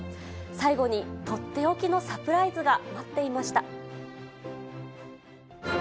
最後にとっておきのサプライズが待っていました。